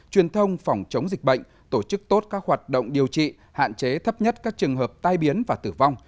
truyền thông phòng chống dịch bệnh tổ chức tốt các hoạt động điều trị hạn chế thấp nhất các trường hợp tai biến và tử vong